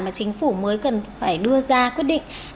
mà chính phủ mới cần phải đưa ra quyết định